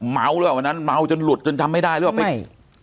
เมาด์เลยว่ะวันนั้นเมาด์จนหลุดจนทำไม่ได้เลยว่ะไม่